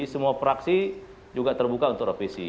semua praksi juga terbuka untuk revisi